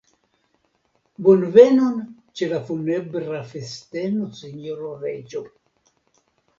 Bonvenon ĉe la funebra festeno, sinjoro reĝo!